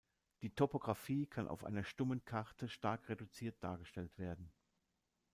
Die Topografie kann auf einer stummen Karte stark reduziert dargestellt sein.